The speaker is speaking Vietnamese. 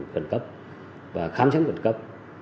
cẩn cấp và khám chứng cẩn cấp